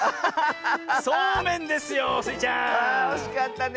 ああおしかったね。